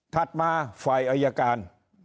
มาฝ่ายอายการ